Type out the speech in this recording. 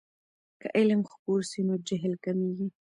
که علم خپور سي نو جهل کمېږي.